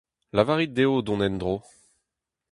Lavarit dezho dont en-dro.